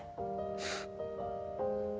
フッ。